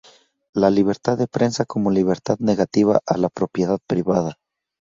La libertad de prensa como libertad negativa a la propiedad privada.